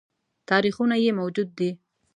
تاریخونه یې موجود دي